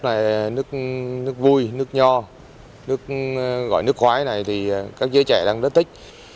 nước vui nước nho nước gọi nước khoái này thì các giới trẻ đang rất thích